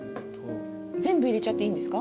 全部入れちゃっていいんですか？